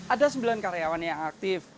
ada sembilan karyawan yang aktif